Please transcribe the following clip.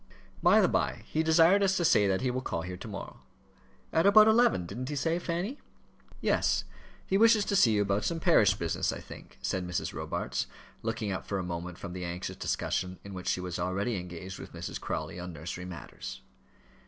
"By the by, he desired us to say that he will call here to morrow; at about eleven, didn't he say, Fanny?" "Yes; he wishes to see you about some parish business, I think," said Mrs. Robarts, looking up for a moment from the anxious discussion in which she was already engaged with Mrs. Crawley on nursery matters.